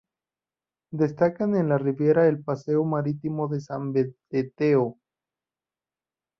Destacan en la Riviera el paseo marítimo de San Benedetto.